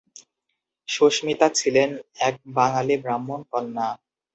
সুস্মিতা ছিলেন এক বাঙালি ব্রাহ্মণ কন্যা।